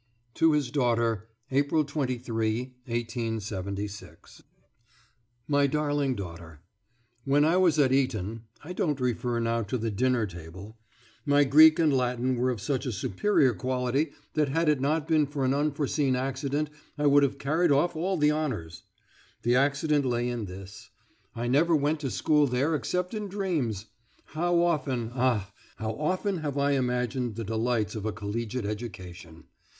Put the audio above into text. TO HIS DAUGHTER April 23, 1876. MY DARLING DAUGHTER, ... When I was at Eton (I don't refer now to the dinner table) my Greek and Latin were of such a superior quality that had it not been for an unforeseen accident I would have carried off all the honours. The accident lay in this: I never went to school there except in dreams. How often, ah! how often have I imagined the delights of a collegiate education!